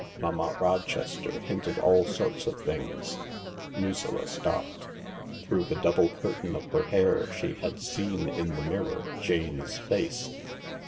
" Mamma Rochester hinted all sorts of things ,.." Lucilla stopped. Through the double curtain of her hair she had seen, in the mirror, Jane's face.